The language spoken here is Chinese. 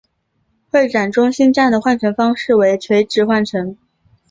会展中心站的换乘方式为垂直换乘。